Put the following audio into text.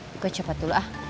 buka copot dulu ah